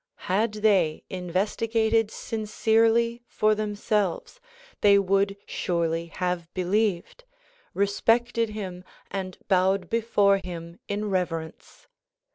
Had they investigated sincerely for themselves they would surely have believed, respected him and bowed before him in reverence.